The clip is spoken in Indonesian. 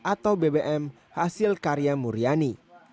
atau bbm hasil karya muriani